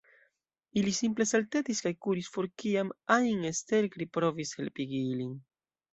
Ili simple saltetis kaj kuris for kiam ajn Stelkri provis helpigi ilin.